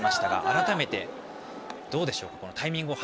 改めてどうでしょう。